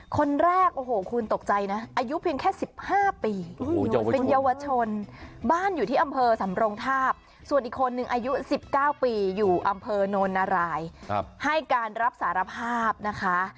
คนแรกโอ้โหคุณตกใจนะอายุเพียงแค่๑๕ปีเป็นเยาวชนบ้านอยู่ที่อำเภอสำรงทาบส่วนอีกคนนึงอายุ๑๙ปีอยู่อำเภอโนนนารายให้การรับสารภาพนะคะ